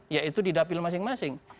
yaitu di dapil masing masing